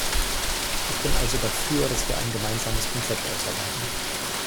Ich bin also dafür, dass wir ein gemeinsames Konzept ausarbeiten.